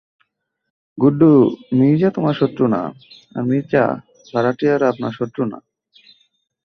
গুড্ডু, মির্জা তোমার শত্রু না, আর মির্জা, ভাড়াটিয়ারা আপনার শত্রু না।